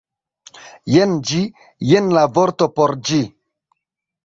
Jen ĝi, jen la vorto por ĝi